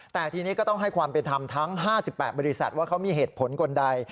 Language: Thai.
แต่ทีนี้ก็ต้องให้ความเป็นธรรมทั้ง๕๘บริษัทว่าเขามีเหตุผลคนใด